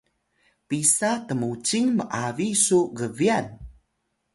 pisa tmucing m’abi su gbyan?